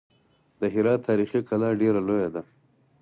د هرات تاریخي کلا ډېره لویه ده.